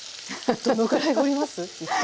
どのくらい堀ります？